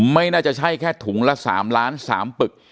ไม่น่าจะใช่แค่ถุงละ๓ล้าน๓ปึก